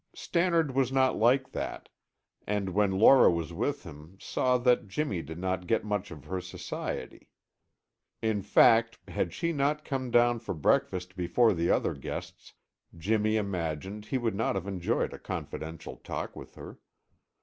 Stannard was not like that, and when Laura was with him saw that Jimmy did not get much of her society. In fact, had she not come down for breakfast before the other guests, Jimmy imagined he would not have enjoyed a confidential talk with her.